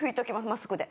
マスクで。